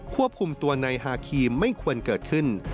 ควบคุมตัวในฮาคีมไม่ควรเกิดขึ้น